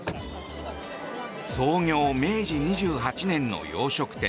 創業明治２８年の洋食店